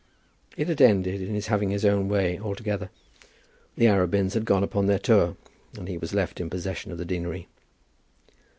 It had ended in his having his own way altogether. The Arabins had gone upon their tour, and he was left in possession of the deanery.